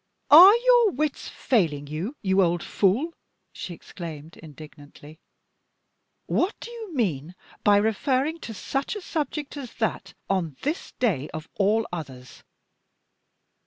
"Are your wits failing you, you old fool?" she exclaimed, indignantly. "What do you mean by referring to such a subject as that, on this day, of all others?